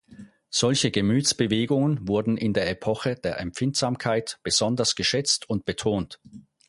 Solche Gemütsbewegungen wurden in der Epoche der Empfindsamkeit besonders geschätzt und betont.